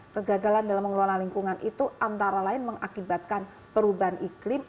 kegagalan dalam mengelola lingkungan itu antara lain mengakibatkan perubahan iklim